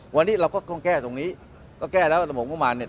วันนี้เราก็ต้องแก้ตรงนี้ก็แก้แล้วว่าสมมุมโมงมานเนี่ย